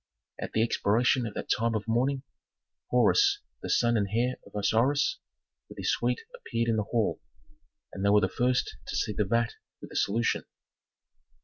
At the expiration of that time of mourning, Horus, the son and heir of Osiris, with his suite appeared in the hall, and they were the first to see the vat with the solution.